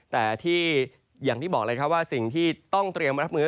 แต่ที่อย่างที่บอกเลยครับว่าสิ่งที่ต้องเตรียมรับมือ